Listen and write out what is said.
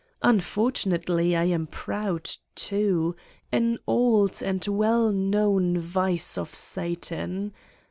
Unfortunately, I am proud, too, an old and well known vice of Satan